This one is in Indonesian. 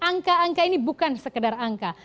angka angka ini bukan sekedar angka